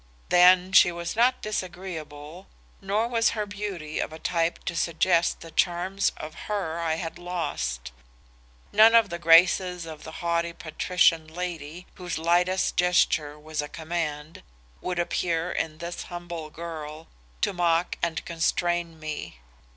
Then she was not disagreeable, nor was her beauty of a type to suggest the charms of her I had lost. None of the graces of the haughty patrician lady whose lightest gesture was a command, would appear in this humble girl, to mock and constrain me.